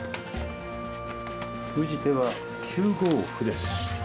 封じ手は９五歩です。